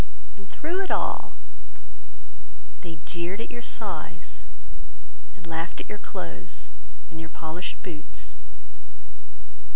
And through it all They jeered at your size, and laughed at your clothes And your polished boots?